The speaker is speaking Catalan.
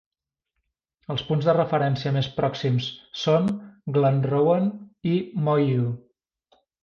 El punts de referència més pròxims són Glenrowan i Moyhu.